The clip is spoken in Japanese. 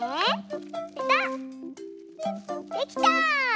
できた！